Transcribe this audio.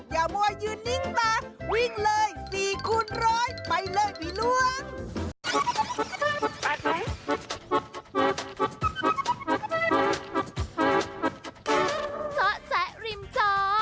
อย่ามัวยืนนิ่งตาวิ่งเลย๔คูณร้อยไปเลยพี่ล้วง